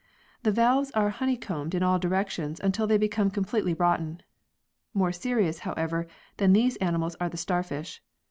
The valves are honeycombed in all directions until they become completely rotten. More serious, however, than these animals are the starfish.